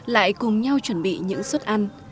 lại cùng nhau chuẩn bị những suất ăn